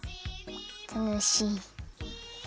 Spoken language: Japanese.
たのしい。